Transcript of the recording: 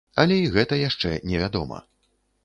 Але і гэта яшчэ невядома.